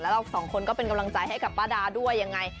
เราสองคนก็เป็นกำลังใจให้กับป้าดาด้วยยังไง